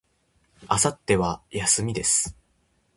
明後日は、休みです。